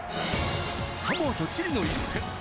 サモアとチリの一戦。